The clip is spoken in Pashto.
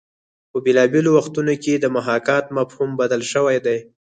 په بېلابېلو وختونو کې د محاکات مفهوم بدل شوی دی